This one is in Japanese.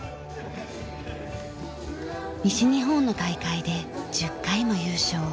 西日本の大会で１０回も優勝。